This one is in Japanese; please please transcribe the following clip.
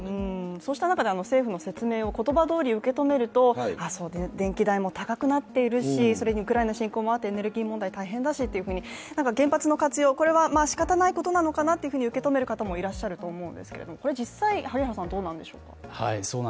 そうした中で政府の説明を言葉どおり受け止めるとあ、電気代も高くなっているし、それにウクライナ侵攻もあってエネルギー問題も大変だし、原発の活用はしかたないことなのかなと受け止める方もいらっしゃると思うんですが、実際、どうなんでしょうか。